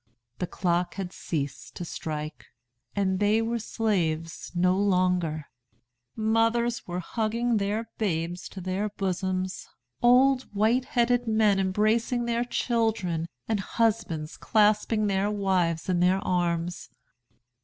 The clock had ceased to strike, and they were slaves no longer! Mothers were hugging their babes to their bosoms, old white headed men embracing their children and husbands clasping their wives in their arms.